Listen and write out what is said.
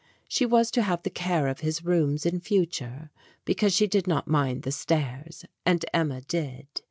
She was to have the care of his rooms in future, because she did not mind the stairs, and Emma did.